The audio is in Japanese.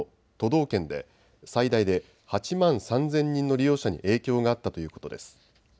道県で最大で８万３０００人の利用者に影響があったということです。